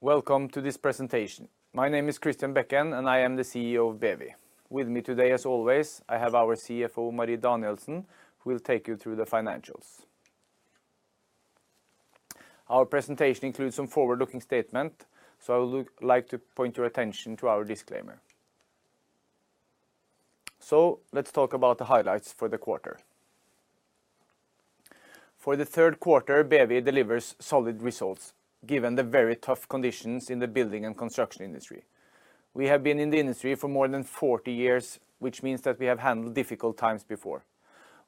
Welcome to this presentation. My name is Christian Bekken, and I am the CEO of BEWI. With me today, as always, I have our CFO, Marie Danielsen, who will take you through the financials. Our presentation includes some forward-looking statement, so I would like to point your attention to our disclaimer. Let's talk about the highlights for the quarter. For the third quarter, BEWI delivers solid results, given the very tough conditions in the building and construction industry. We have been in the industry for more than 40 years, which means that we have handled difficult times before.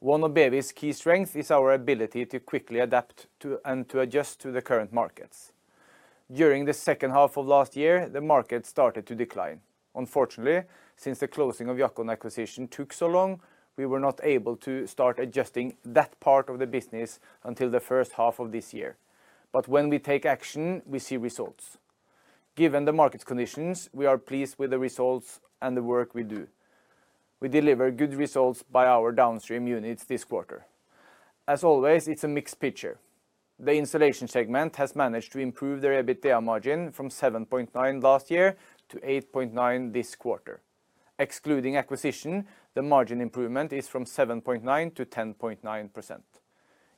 One of BEWI's key strengths is our ability to quickly adapt to, and to adjust to the current markets. During the second half of last year, the market started to decline. Unfortunately, since the closing of Jackon acquisition took so long, we were not able to start adjusting that part of the business until the first half of this year. But when we take action, we see results. Given the market conditions, we are pleased with the results and the work we do. We deliver good results by our downstream units this quarter. As always, it's a mixed picture. The insulation segment has managed to improve their EBITDA margin from 7.9 last year to 8.9 this quarter. Excluding acquisition, the margin improvement is from 7.9%-10.9%,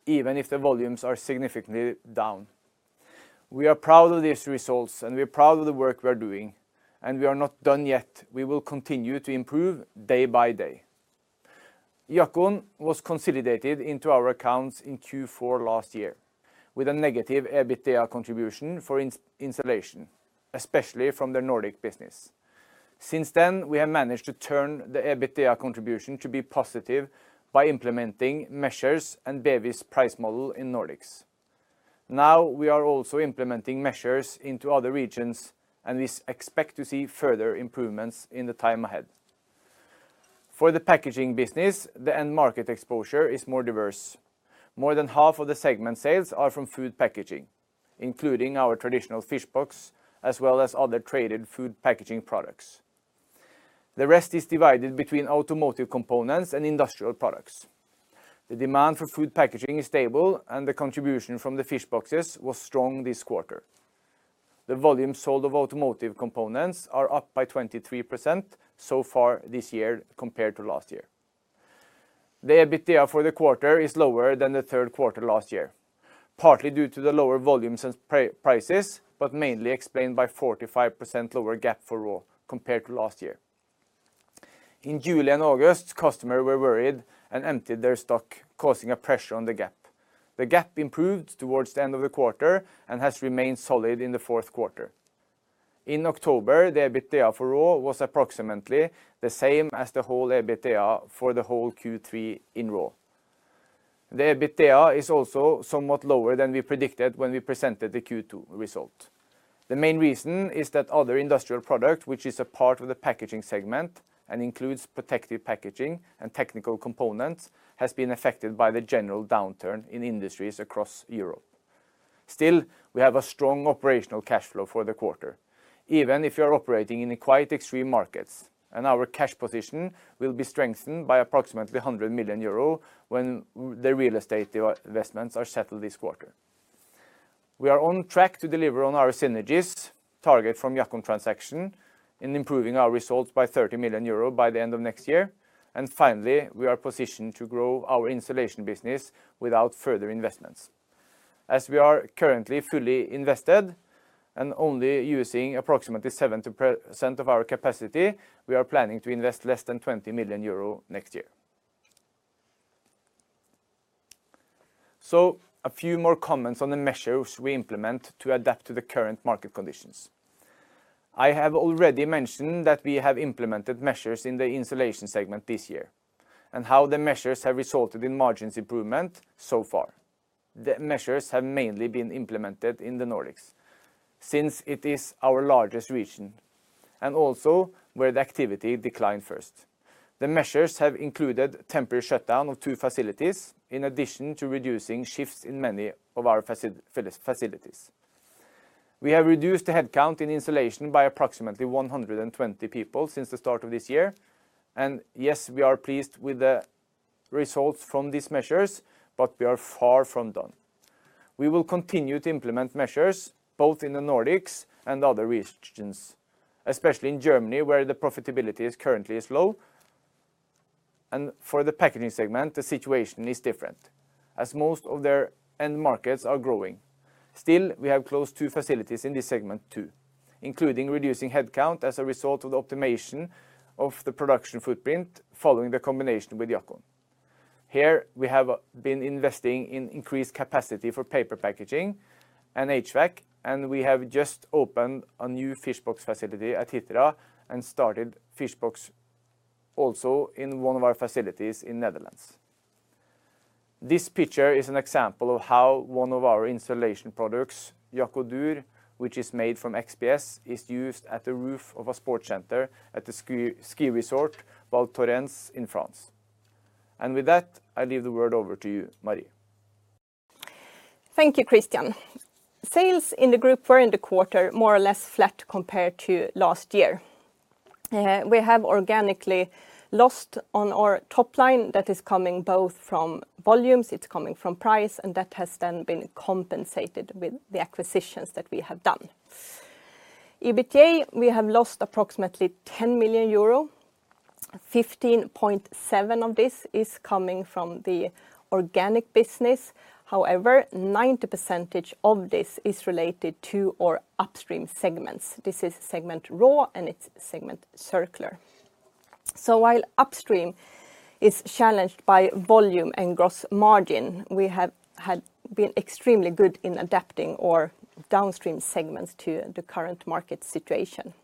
even if the volumes are significantly down. We are proud of these results, and we are proud of the work we are doing, and we are not done yet. We will continue to improve day by day. Jackon was consolidated into our accounts in Q4 last year with a negative EBITDA contribution for insulation, especially from the Nordic business. Since then, we have managed to turn the EBITDA contribution to be positive by implementing measures and BEWI's price model in Nordics. Now, we are also implementing measures into other regions, and we expect to see further improvements in the time ahead. For the packaging business, the end market exposure is more diverse. More than half of the segment sales are from food packaging, including our traditional fish box, as well as other traded food packaging products. The rest is divided between automotive components and industrial products. The demand for food packaging is stable, and the contribution from the fish boxes was strong this quarter. The volume sold of automotive components are up by 23% so far this year compared to last year. The EBITDA for the quarter is lower than the third quarter last year, partly due to the lower volumes and prices, but mainly explained by 45% lower gap for raw compared to last year. In July and August, customers were worried and emptied their stock, causing a pressure on the gap. The gap improved towards the end of the quarter and has remained solid in the fourth quarter. In October, the EBITDA for raw was approximately the same as the whole EBITDA for the whole Q3 in raw. The EBITDA is also somewhat lower than we predicted when we presented the Q2 result. The main reason is that other industrial product, which is a part of the packaging segment and includes protective packaging and technical components, has been affected by the general downturn in industries across Europe. Still, we have a strong operational cash flow for the quarter, even if you are operating in quite extreme markets, and our cash position will be strengthened by approximately 100 million euro when the real estate investments are settled this quarter. We are on track to deliver on our synergies target from Jackon transaction in improving our results by 30 million euro by the end of next year. Finally, we are positioned to grow our insulation business without further investments. As we are currently fully invested and only using approximately 70% of our capacity, we are planning to invest less than 20 million euro next year. A few more comments on the measures we implement to adapt to the current market conditions. I have already mentioned that we have implemented measures in the insulation segment this year, and how the measures have resulted in margins improvement so far. The measures have mainly been implemented in the Nordics, since it is our largest region, and also where the activity declined first. The measures have included temporary shutdown of two facilities, in addition to reducing shifts in many of our facilities. We have reduced the headcount in insulation by approximately 120 people since the start of this year. And yes, we are pleased with the results from these measures, but we are far from done. We will continue to implement measures both in the Nordics and other regions, especially in Germany, where the profitability is currently low. For the packaging segment, the situation is different, as most of their end markets are growing. Still, we have closed two facilities in this segment, too, including reducing headcount as a result of the optimization of the production footprint following the combination with Jackon. Here, we have been investing in increased capacity for paper packaging and HVAC, and we have just opened a new fish box facility at Hitra and started fish box also in one of our facilities in Netherlands. This picture is an example of how one of our insulation products, Jackodur, which is made from XPS, is used at the roof of a sports center at the ski resort, Val Thorens in France. And with that, I leave the word over to you, Marie. Thank you, Christian. Sales in the group were in the quarter more or less flat compared to last year. We have organically lost on our top line that is coming both from volumes, it's coming from price, and that has then been compensated with the acquisitions that we have done. EBITDA, we have lost approximately 10 million euro, 15.7 of this is coming from the organic business. However, 90% of this is related to our upstream segments. This is segment RAW and its segment Circular. So while upstream is challenged by volume and gross margin, we have had been extremely good in adapting our downstream segments to the current market situation.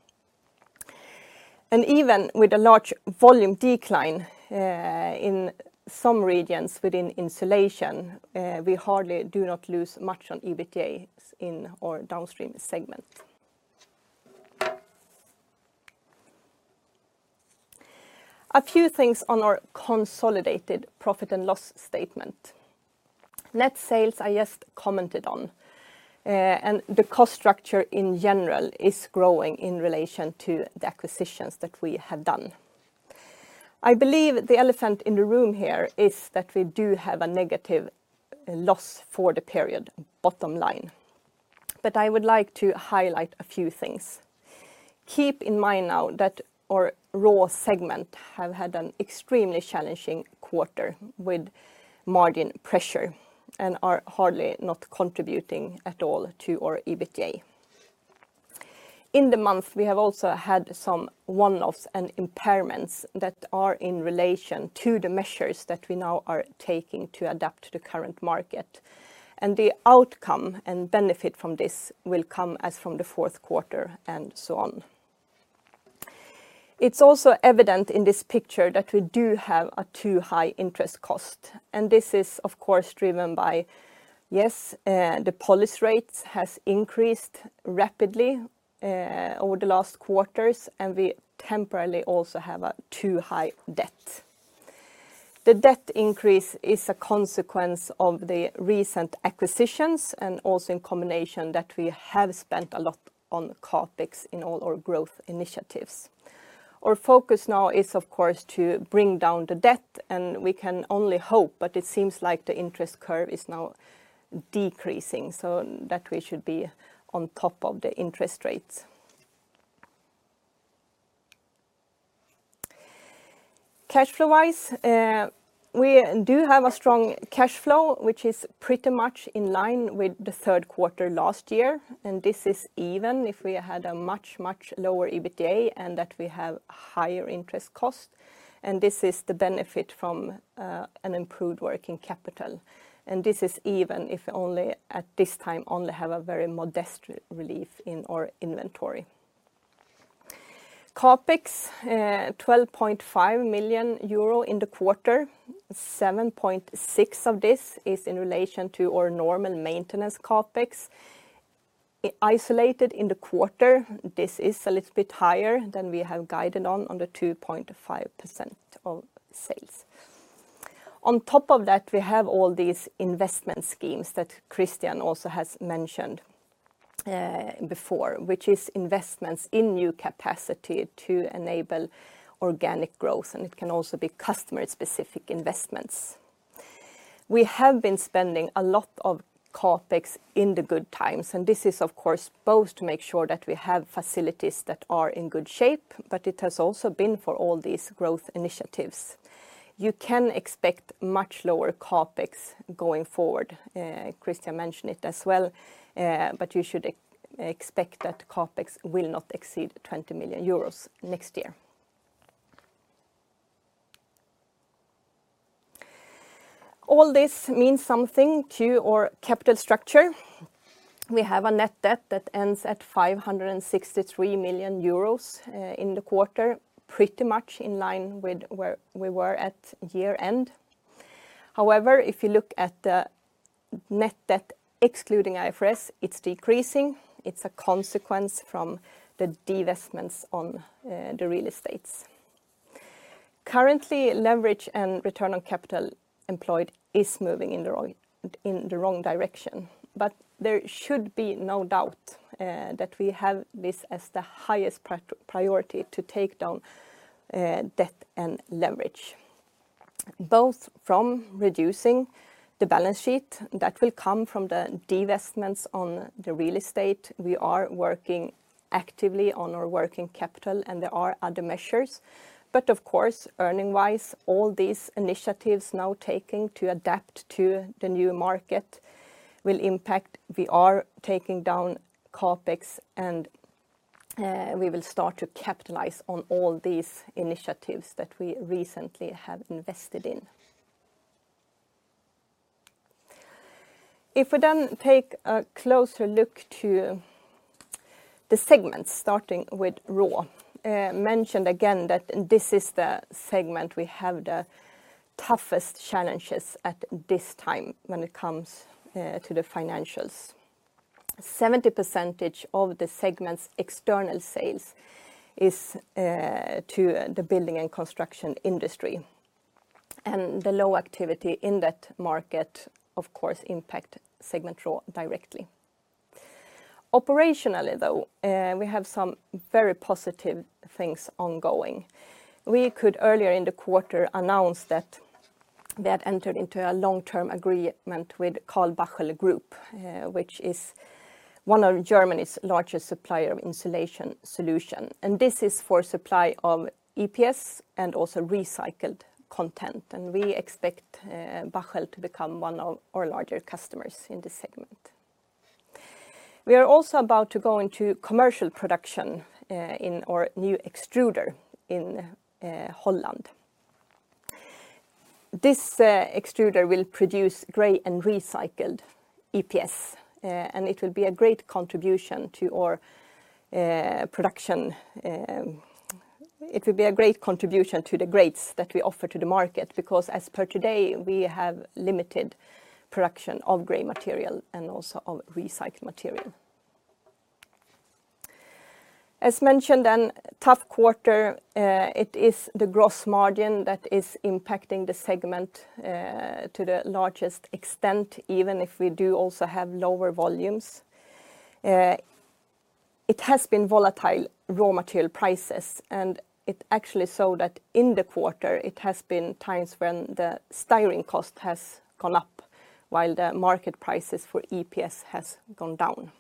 Even with a large volume decline in some regions within insulation, we hardly do not lose much on EBITDA in our downstream segment. A few things on our consolidated profit and loss statement. Net sales, I just commented on, and the cost structure in general is growing in relation to the acquisitions that we have done. I believe the elephant in the room here is that we do have a negative loss for the period, bottom line. But I would like to highlight a few things. Keep in mind now that our Raw segment have had an extremely challenging quarter with margin pressure and are hardly not contributing at all to our EBITDA. In the month, we have also had some one-offs and impairments that are in relation to the measures that we now are taking to adapt to the current market, and the outcome and benefit from this will come as from the fourth quarter and so on. It's also evident in this picture that we do have a too high interest cost, and this is, of course, driven by, yes, the policy rates has increased rapidly over the last quarters, and we temporarily also have a too high debt. The debt increase is a consequence of the recent acquisitions and also in combination that we have spent a lot on CapEx in all our growth initiatives. Our focus now is, of course, to bring down the debt, and we can only hope, but it seems like the interest curve is now decreasing, so that we should be on top of the interest rates. Cash flow-wise, we do have a strong cash flow, which is pretty much in line with the third quarter last year, and this is even if we had a much, much lower EBITDA and that we have higher interest cost, and this is the benefit from, an improved working capital. And this is even if only at this time, only have a very modest relief in our inventory. CapEx, 12.5 million euro in the quarter. 7.6 of this is in relation to our normal maintenance CapEx. Isolated in the quarter, this is a little bit higher than we have guided on, on the 2.5% of sales. On top of that, we have all these investment schemes that Christian also has mentioned, before, which is investments in new capacity to enable organic growth, and it can also be customer-specific investments. We have been spending a lot of CapEx in the good times, and this is, of course, both to make sure that we have facilities that are in good shape, but it has also been for all these growth initiatives. You can expect much lower CapEx going forward. Christian mentioned it as well, but you should expect that CapEx will not exceed 20 million euros next year. All this means something to our capital structure. We have a net debt that ends at 563 million euros, in the quarter, pretty much in line with where we were at year-end. However, if you look at the net debt, excluding IFRS, it's decreasing. It's a consequence from the divestments on the real estates. Currently, leverage and return on capital employed is moving in the wrong, in the wrong direction, but there should be no doubt that we have this as the highest priority to take down debt and leverage, both from reducing the balance sheet that will come from the divestments on the real estate. We are working actively on our working capital, and there are other measures. But of course, earning-wise, all these initiatives now taking to adapt to the new market will impact. We are taking down CapEx, and we will start to capitalize on all these initiatives that we recently have invested in. If we then take a closer look to the segments, starting with Raw, mentioned again that this is the segment we have the toughest challenges at this time when it comes to the financials. 70% of the segment's external sales is to the building and construction industry, and the low activity in that market, of course, impact segment Raw directly. Operationally, though, we have some very positive things ongoing. We could earlier in the quarter announce that entered into a long-term agreement with Karl Bachl Group, which is one of Germany's largest supplier of insulation solution. This is for supply of EPS and also recycled content, and we expect Bachl to become one of our larger customers in this segment. We are also about to go into commercial production in our new extruder in Holland. This extruder will produce gray and recycled EPS, and it will be a great contribution to our production. It will be a great contribution to the grades that we offer to the market, because as per today, we have limited production of gray material and also of recycled material. As mentioned, a tough quarter, it is the gross margin that is impacting the segment to the largest extent, even if we do also have lower volumes. It has been volatile raw material prices, and it actually so that in the quarter, it has been times when the styrene cost has gone up, while the market prices for EPS has gone down.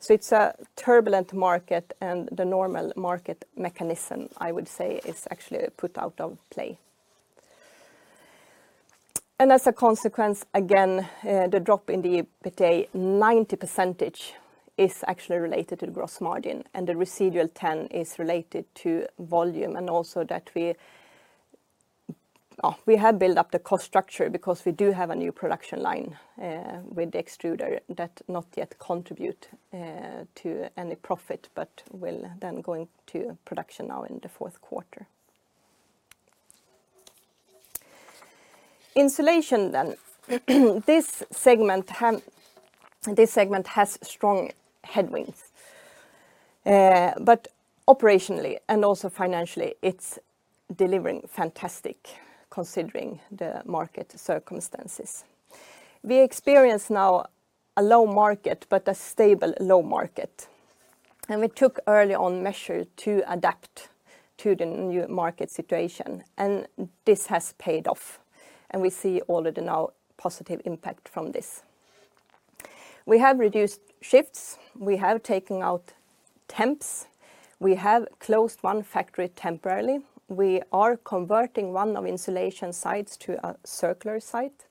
So it's a turbulent market, and the normal market mechanism, I would say, is actually put out of play. And as a consequence, again, the drop in the EBITDA, 90% is actually related to the gross margin, and the residual 10 is related to volume, and also that we, oh, we have built up the cost structure because we do have a new production line with the extruder that not yet contribute to any profit, but will then go into production now in the fourth quarter. Insulation, then. This segment has strong headwinds, but operationally and also financially, it's delivering fantastic, considering the market circumstances. We experience now a low market, but a stable low market. And we took early on measure to adapt to the new market situation, and this has paid off, and we see all of the now positive impact from this. We have reduced shifts, we have taken out temps, we have closed one factory temporarily. We are converting one of insulation sites to a circular site,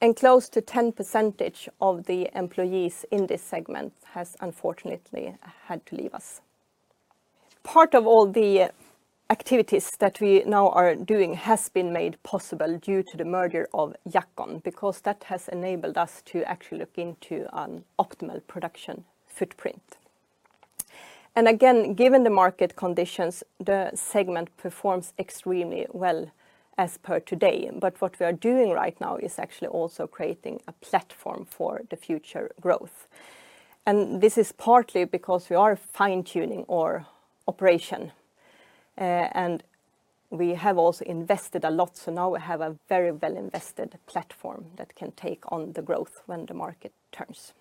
and close to 10% of the employees in this segment has unfortunately had to leave us. Part of all the activities that we now are doing has been made possible due to the merger of Jackon, because that has enabled us to actually look into an optimal production footprint. And again, given the market conditions, the segment performs extremely well as per today. But what we are doing right now is actually also creating a platform for the future growth. And this is partly because we are fine-tuning our operation, and we have also invested a lot, so now we have a very well-invested platform that can take on the growth when the market turns.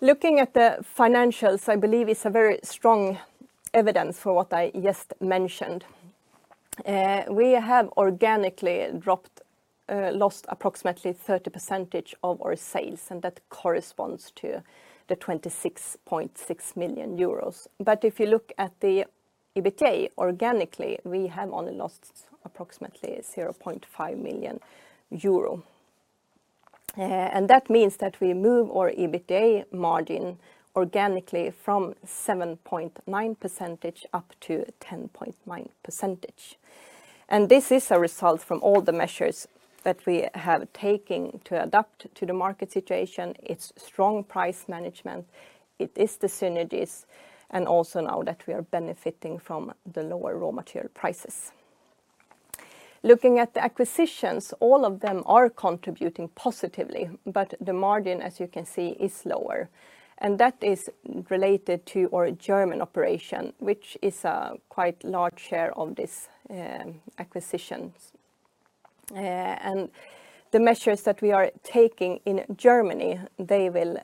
Looking at the financials, I believe it's a very strong evidence for what I just mentioned. We have organically dropped, lost approximately 30% of our sales, and that corresponds to the 26.6 million euros. But if you look at the EBITDA, organically, we have only lost approximately 0.5 million euro. And that means that we move our EBITDA margin organically from 7.9% up to 10.9%. And this is a result from all the measures that we have taken to adapt to the market situation. It's strong price management, it is the synergies, and also now that we are benefiting from the lower raw material prices. Looking at the acquisitions, all of them are contributing positively, but the margin, as you can see, is lower, and that is related to our German operation, which is a quite large share of this, acquisitions. And the measures that we are taking in Germany, they will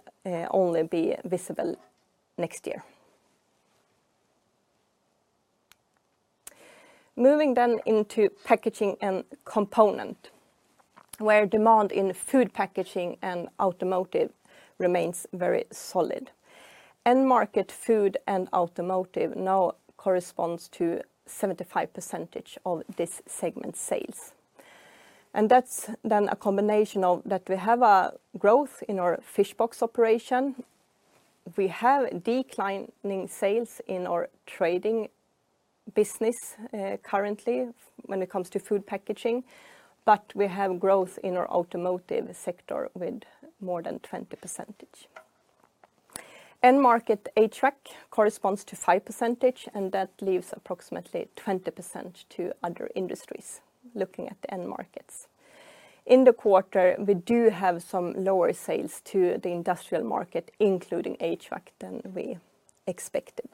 only be visible next year. Moving then into packaging and component, where demand in food packaging and automotive remains very solid. End market, food and automotive now corresponds to 75% of this segment's sales. And that's then a combination of that we have a growth in our fish box operation. We have declining sales in our trading business, currently, when it comes to food packaging, but we have growth in our automotive sector with more than 20%. End market HVAC corresponds to 5%, and that leaves approximately 20% to other industries, looking at the end markets. In the quarter, we do have some lower sales to the industrial market, including HVAC, than we expected.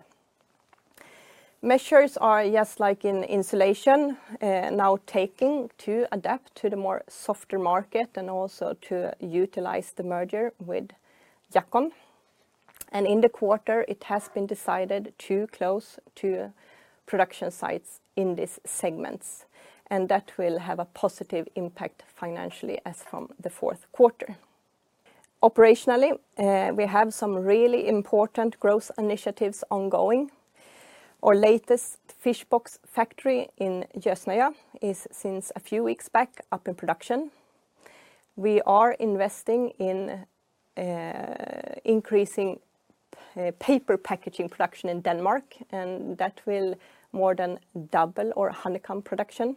Measures are just like in insulation, now taking to adapt to the more softer market and also to utilize the merger with Jackon. In the quarter, it has been decided to close two production sites in these segments, and that will have a positive impact financially as from the fourth quarter. Operationally, we have some really important growth initiatives ongoing. Our latest fish box factory in Jøsnøya is since a few weeks back, up in production. We are investing in increasing paper packaging production in Denmark, and that will more than double our honeycomb production.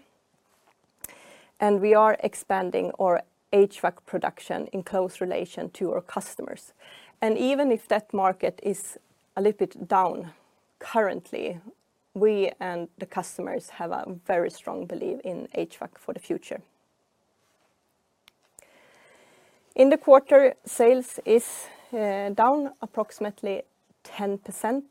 We are expanding our HVAC production in close relation to our customers. Even if that market is a little bit down, currently, we and the customers have a very strong belief in HVAC for the future. In the quarter, sales is down approximately 10%.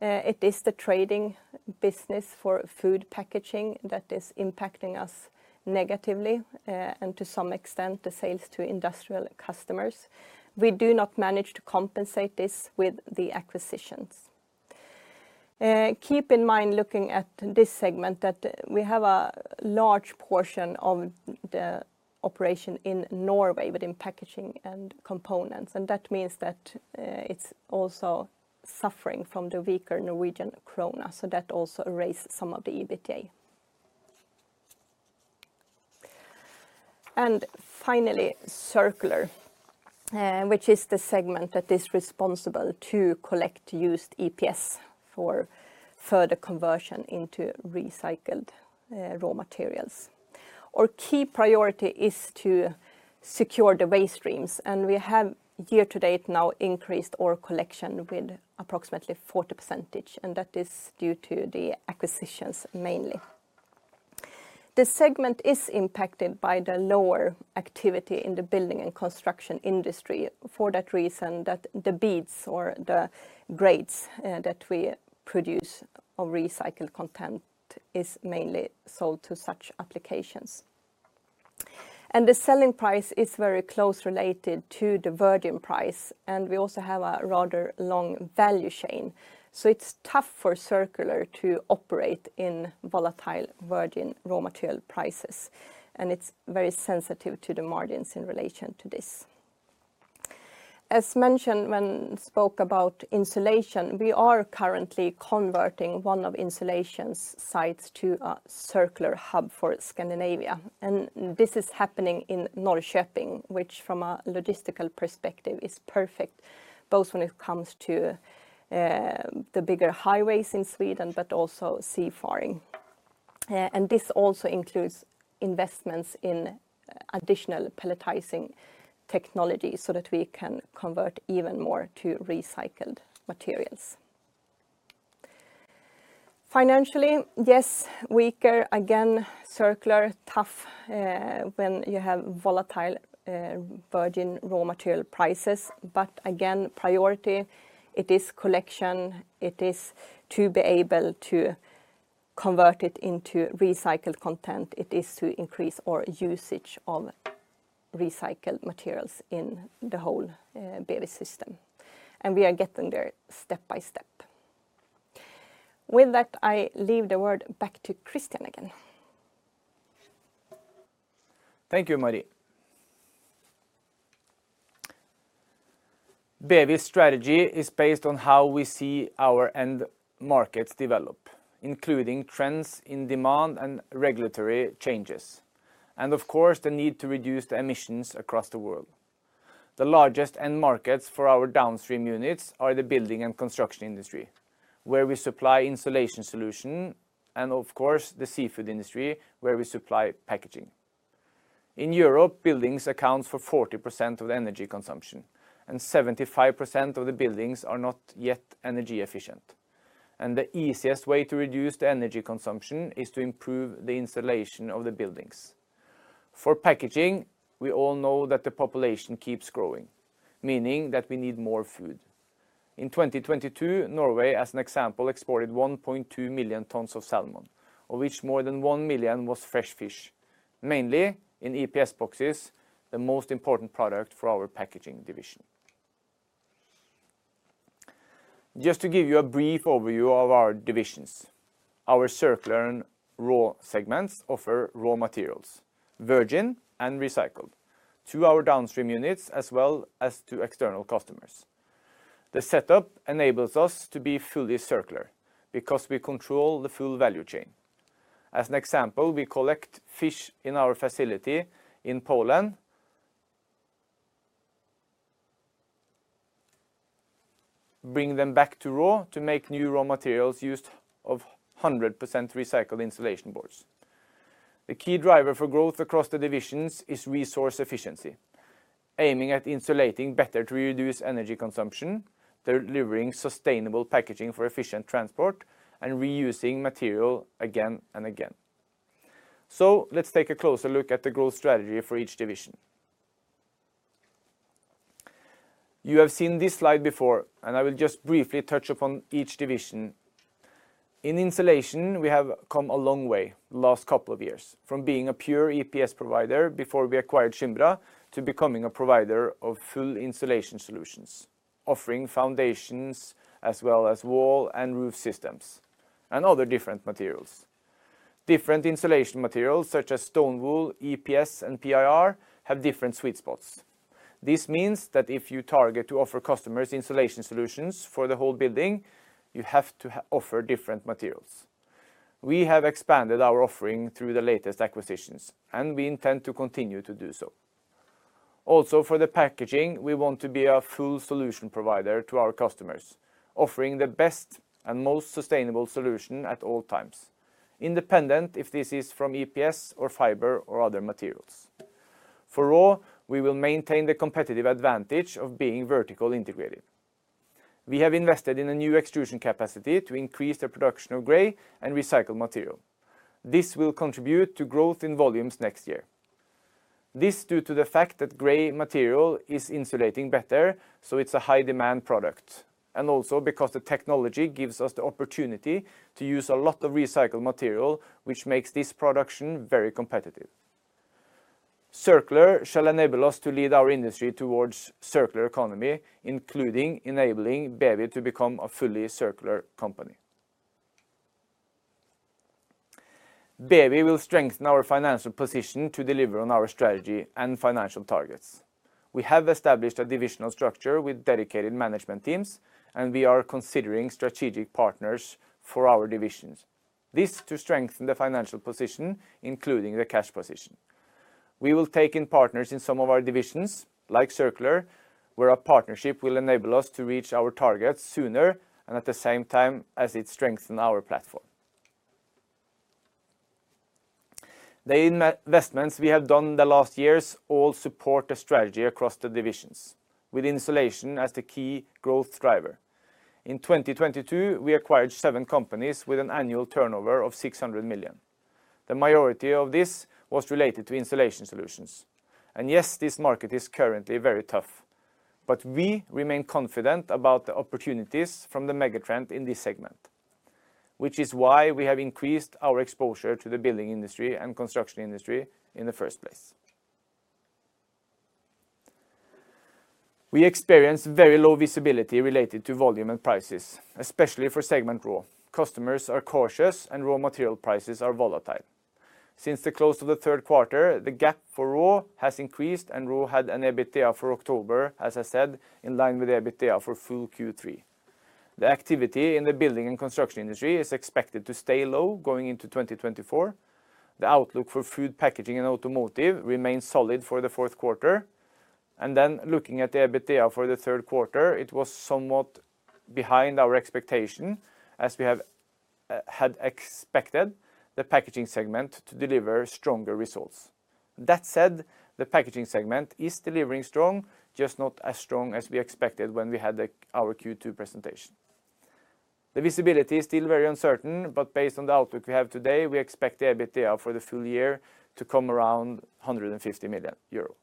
It is the trading business for food packaging that is impacting us negatively, and to some extent, the sales to industrial customers. We do not manage to compensate this with the acquisitions. Keep in mind, looking at this segment, that we have a large portion of the operation in Norway, but in packaging and components, and that means that it's also suffering from the weaker Norwegian krone, so that also erases some of the EBITDA. And finally, Circular, which is the segment that is responsible to collect used EPS for further conversion into recycled raw materials. Our key priority is to secure the waste streams, and we have, year to date, now increased our collection with approximately 40%, and that is due to the acquisitions, mainly. The segment is impacted by the lower activity in the building and construction industry. For that reason, that the beads or the grades, that we produce of recycled content is mainly sold to such applications. And the selling price is very close related to the virgin price, and we also have a rather long value chain, so it's tough for Circular to operate in volatile virgin raw material prices, and it's very sensitive to the margins in relation to this. As mentioned, when spoke about Insulation, we are currently converting one of Insulation's sites to a circular hub for Scandinavia, and this is happening in Norrköping, which, from a logistical perspective, is perfect, both when it comes to the bigger highways in Sweden, but also seafaring. And this also includes investments in additional pelletizing technology so that we can convert even more to recycled materials. Financially, yes, weaker again, Circular, tough, when you have volatile, virgin raw material prices, but again, priority, it is collection, it is to be able to convert it into recycled content. It is to increase our usage of recycled materials in the whole, BEWI system, and we are getting there step by step. With that, I leave the word back to Christian again. Thank you, Marie. BEWI's strategy is based on how we see our end markets develop, including trends in demand and regulatory changes, and of course, the need to reduce the emissions across the world. The largest end markets for our downstream units are the building and construction industry, where we supply insulation solution, and of course, the seafood industry, where we supply packaging. In Europe, buildings account for 40% of energy consumption, and 75% of the buildings are not yet energy efficient, and the easiest way to reduce the energy consumption is to improve the insulation of the buildings. For packaging, we all know that the population keeps growing, meaning that we need more food. In 2022, Norway, as an example, exported 1.2 million tons of salmon, of which more than 1 million was fresh fish, mainly in EPS boxes, the most important product for our packaging division. Just to give you a brief overview of our divisions, our Circular and Raw segments offer raw materials, virgin and recycled, to our Downstream units, as well as to external customers. The setup enables us to be fully circular because we control the full value chain. As an example, we collect fish in our facility in Poland, bring them back to Raw to make new raw materials used of 100% recycled insulation boards. The key driver for growth across the divisions is resource efficiency, aiming at insulating better to reduce energy consumption, delivering sustainable packaging for efficient transport, and reusing material again and again. So let's take a closer look at the growth strategy for each division. You have seen this slide before, and I will just briefly touch upon each division. In Insulation, we have come a long way the last couple of years, from being a pure EPS provider before we acquired Synbra, to becoming a provider of full insulation solutions, offering foundations, as well as wall and roof systems, and other different materials. Different insulation materials, such as stone wool, EPS, and PIR, have different sweet spots. This means that if you target to offer customers insulation solutions for the whole building, you have to offer different materials. We have expanded our offering through the latest acquisitions, and we intend to continue to do so. Also, for the Packaging, we want to be a full solution provider to our customers, offering the best and most sustainable solution at all times, independent if this is from EPS or fiber or other materials. For Raw, we will maintain the competitive advantage of being vertically integrated. We have invested in a new extrusion capacity to increase the production of gray and recycled material. This will contribute to growth in volumes next year. This, due to the fact that gray material is insulating better, so it's a high demand product, and also because the technology gives us the opportunity to use a lot of recycled material, which makes this production very competitive. Circular shall enable us to lead our industry towards circular economy, including enabling BEWI to become a fully circular company. BEWI will strengthen our financial position to deliver on our strategy and financial targets. We have established a divisional structure with dedicated management teams, and we are considering strategic partners for our divisions. This, to strengthen the financial position, including the cash position. We will take in partners in some of our divisions, like Circular, where a partnership will enable us to reach our targets sooner and at the same time as it strengthen our platform. The investments we have done the last years all support the strategy across the divisions, with Insulation as the key growth driver. In 2022, we acquired seven companies with an annual turnover of 600 million. The majority of this was related to insulation solutions. And yes, this market is currently very tough, but we remain confident about the opportunities from the mega trend in this segment, which is why we have increased our exposure to the building industry and construction industry in the first place. We experience very low visibility related to volume and prices, especially for segment Raw. Customers are cautious, and raw material prices are volatile. Since the close of the third quarter, the gap for Raw has increased, and Raw had an EBITDA for October, as I said, in line with EBITDA for full Q3. The activity in the building and construction industry is expected to stay low going into 2024. The outlook for food packaging and automotive remains solid for the fourth quarter. And then looking at the EBITDA for the third quarter, it was somewhat behind our expectation, as we have, had expected the Packaging segment to deliver stronger results. That said, the Packaging segment is delivering strong, just not as strong as we expected when we had the, our Q2 presentation. The visibility is still very uncertain, but based on the outlook we have today, we expect the EBITDA for the full year to come around 150 million euro.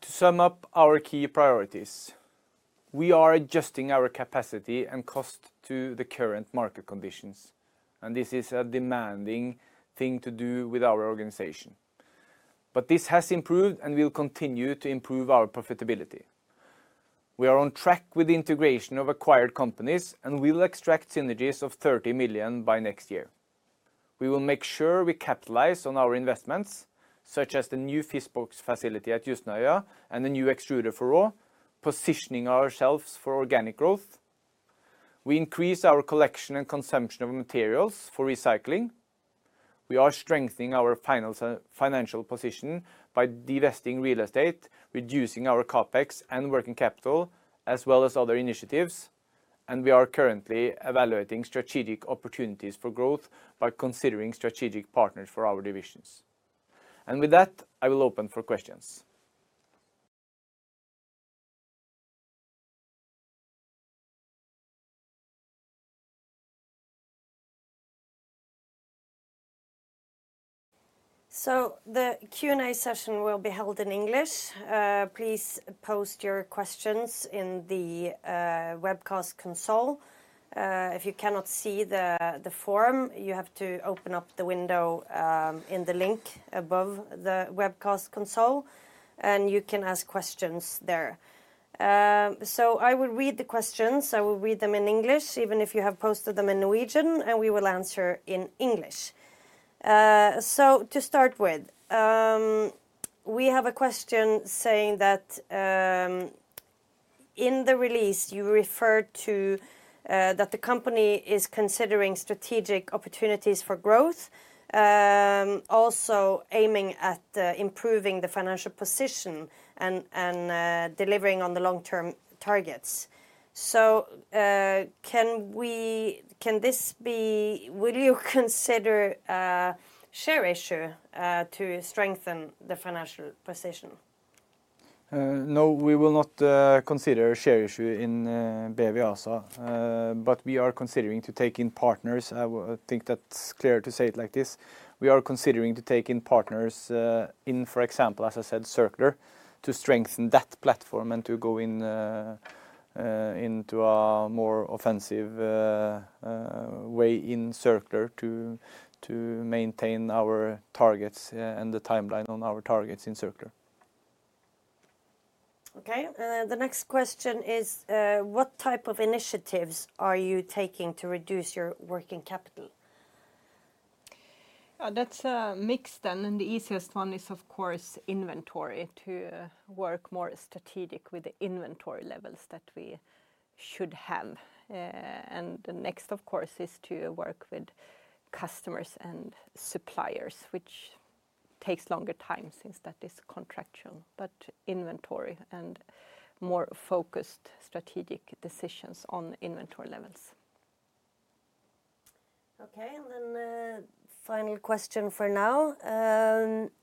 To sum up our key priorities, we are adjusting our capacity and cost to the current market conditions, and this is a demanding thing to do with our organization. But this has improved and will continue to improve our profitability. We are on track with the integration of acquired companies and will extract synergies of 30 million by next year. We will make sure we capitalize on our investments, such as the new fish box facility at Jøsnøya and the new extruder for RAW, positioning ourselves for organic growth. We increase our collection and consumption of materials for recycling. We are strengthening our financial position by divesting real estate, reducing our CapEx and working capital, as well as other initiatives, and we are currently evaluating strategic opportunities for growth by considering strategic partners for our divisions. And with that, I will open for questions. So the Q&A session will be held in English. Please post your questions in the webcast console. If you cannot see the form, you have to open up the window in the link above the webcast console, and you can ask questions there. I will read the questions. I will read them in English, even if you have posted them in Norwegian, and we will answer in English. So to start with, we have a question saying that in the release, you referred to that the company is considering strategic opportunities for growth, also aiming at improving the financial position and delivering on the long-term targets. So will you consider a share issue to strengthen the financial position? No, we will not consider a share issue in BEWI ASA, but we are considering to take in partners. I think that's clear to say it like this. We are considering to take in partners, in, for example, as I said, Circular, to strengthen that platform and to go into a more offensive way in Circular to maintain our targets, and the timeline on our targets in Circular. Okay. The next question is, what type of initiatives are you taking to reduce your working capital? That's a mix, then, and the easiest one is, of course, inventory, to work more strategic with the inventory levels that we should have. And the next, of course, is to work with customers and suppliers, which takes longer time since that is contractual, but inventory and more focused strategic decisions on inventory levels. Okay, and then, final question for now.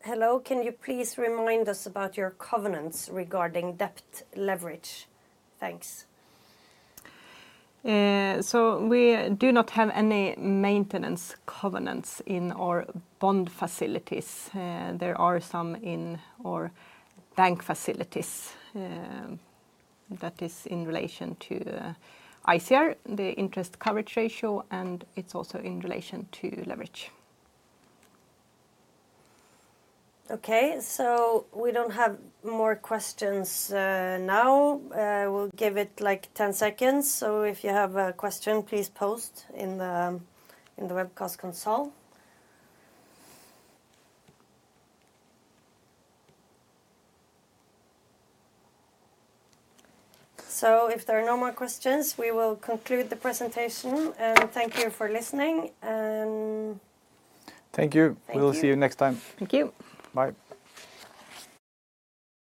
Hello, can you please remind us about your covenants regarding debt leverage? Thanks. We do not have any maintenance covenants in our bond facilities. There are some in our bank facilities, that is in relation to ICR, the interest coverage ratio, and it's also in relation to leverage. Okay, so we don't have more questions now. We'll give it, like, 10 seconds, so if you have a question, please post in the webcast console. So if there are no more questions, we will conclude the presentation, and thank you for listening. Thank you. Thank you. We will see you next time. Thank you. Bye.